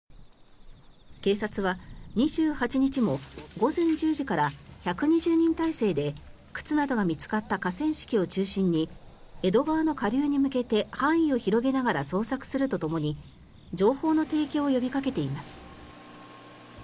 警察は２８日も午前１０時から１２０人態勢で靴などが見つかった河川敷を中心に江戸川の下流に向けて範囲を広げながら捜索するとともに情報の提供を呼びかけています。